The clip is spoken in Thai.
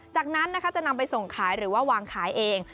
จากนั้นนะคะจะนำไปส่งขายหรือว่าวางขายเอง